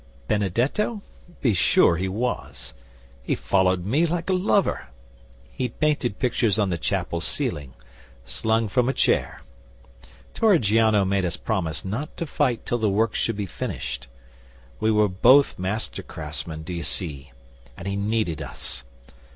'Benedetto? Be sure he was. He followed me like a lover. He painted pictures on the chapel ceiling slung from a chair. Torrigiano made us promise not to fight till the work should be finished. We were both master craftsmen, do ye see, and he needed us.